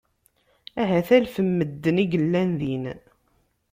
Ahat alef n medden i yellan din.